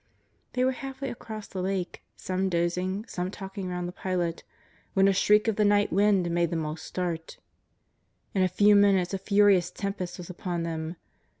They were half way across the Lake, some dozing, some talking round the pilot, when a shriek of the night wind made them all start. In a few minutes a furious tempest was upon them.